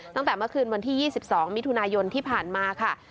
ตั้งแต่เมื่อคืนวันที่๒๒มิถุนายนที่ผ่านมาค่ะ